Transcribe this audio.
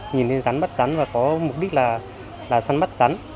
nhìn lên rắn bắt rắn và có mục đích là săn bắt rắn